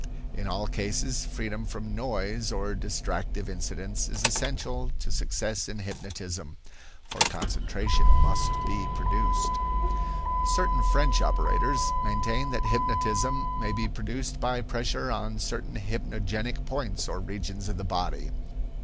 In all cases, freedom from noise or distractive incidents is essential to success in hypnotism, for concentration must be produced. Certain French operators maintain that hypnotism may be produced by pressure on certain hypnogenic points or regions of the body.